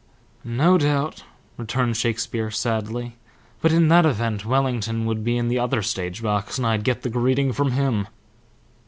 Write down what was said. "No doubt," returned Shakespeare, sadly; "but in that event Wellington would be in the other stage box, and I'd get the greeting from him."